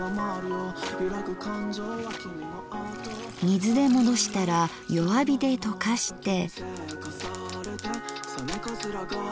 水で戻したら弱火で溶かして。